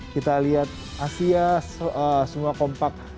kita lihat asia semua kompak